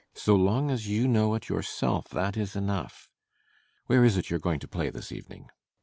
So long as you know it yourself, that is enough. Where is it you are going to play this evening?